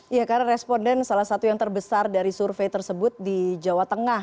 ya karena responden salah satu yang terbesar dari survei tersebut di jawa tengah